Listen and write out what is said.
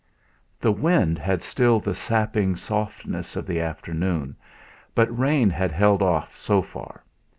The wind had still the sapping softness of the afternoon, but rain had held off so far.